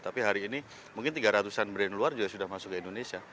tapi hari ini mungkin tiga ratus an brand luar juga sudah masuk ke indonesia